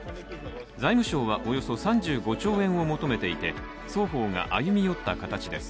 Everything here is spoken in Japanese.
財務省はおよそ３５兆円を求めていて双方が歩み寄った形です。